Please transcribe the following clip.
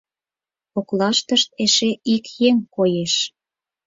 Коклаштышт эше ик еҥ коеш.